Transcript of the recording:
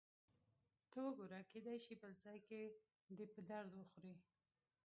ته وګوره، کېدای شي بل ځای کې دې په درد وخوري.